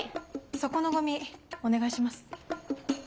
そこのゴミお願いします。